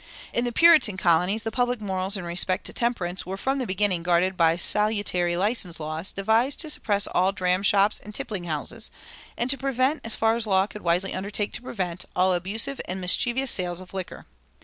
In the Puritan colonies the public morals in respect to temperance were from the beginning guarded by salutary license laws devised to suppress all dram shops and tippling houses, and to prevent, as far as law could wisely undertake to prevent, all abusive and mischievous sales of liquor.